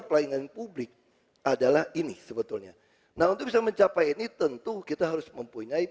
pelayanan publik adalah ini sebetulnya nah untuk bisa mencapai ini tentu kita harus mempunyai